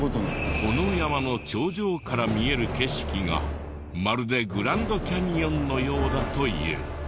この山の頂上から見える景色がまるでグランドキャニオンのようだという。